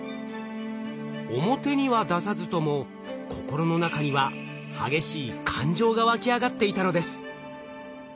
表には出さずとも心の中には激しい感情がわき上がっていたのです。